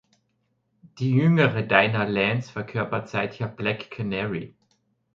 Die jüngere Dinah Lance verkörpert seither Black Canary.